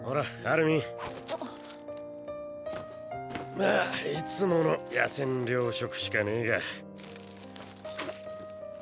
まぁいつもの野戦糧食しかねぇが。